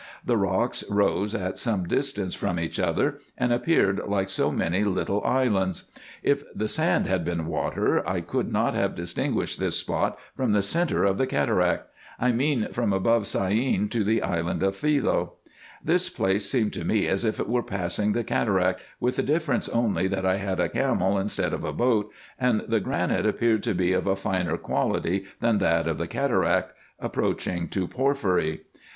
The rocks rose at some dis tance from each other, and appeared like so many little islands. If the sand had been water, I could not have distinguished this spot from the centre of the cataract, I mean from above Syene to the island of Philce. This place seemed to me as if I were passing the cataract, with the difference only, that I had a camel instead of a boat, and the granite appeared to be of a finer quality than that of IN EGYPT, NUBIA, &c 309 the cataract, approaching to porphyry.